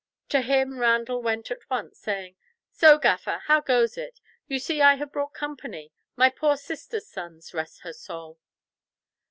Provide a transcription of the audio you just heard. To him Randall went at once, saying, "So, gaffer, how goes it? You see I have brought company, my poor sister's sons—rest her soul!"